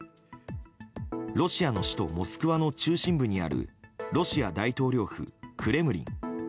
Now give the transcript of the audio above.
ロシアの首都モスクワの中心部にあるロシア大統領府クレムリン。